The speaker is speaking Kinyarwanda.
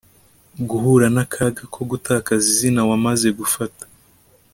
guhura nakaga ko gutakaza izina wamaze gufata